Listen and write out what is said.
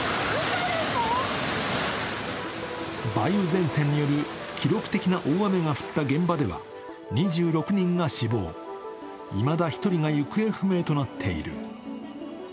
梅雨前線による記録的な大雨が降った現場では、２６人が死亡、いまだ１人が行方不明となっている。